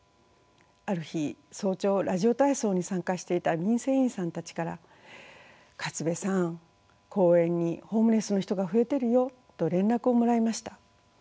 ある日早朝ラジオ体操に参加していた民生委員さんたちから「勝部さん公園にホームレスの人が増えてるよ」と連絡をもらいました。